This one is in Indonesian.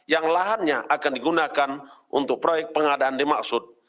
yang lahannya akan digunakan untuk proyek pengadaan dimaksud